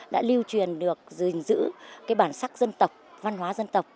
đã lưu truyền được gìn giữ bản sắc dân tộc văn hóa dân tộc